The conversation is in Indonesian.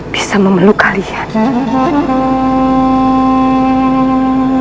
bisa memeluk kalian